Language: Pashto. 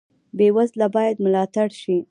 بې وزله باید ملاتړ شي